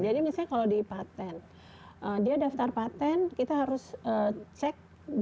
jadi misalnya kalau di patent dia daftar patent kita harus cek dengan